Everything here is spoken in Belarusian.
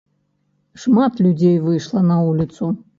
Шмат людзей выйшла на вуліцу.